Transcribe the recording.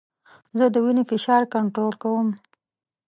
زه د وینې فشار کنټرول کوم.